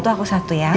aku satu ya